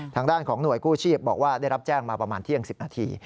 ทางด้านของหน่วยกู้ชีพบอกว่าได้รับแจ้งมาประมาณเที่ยง๑๐นาที